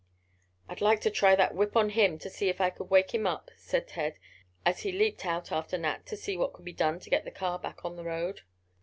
"I'd like to try that whip on him, to see if I could wake him up," said Ted, as he leaped out after Nat to see what could be done to get the car back on the road.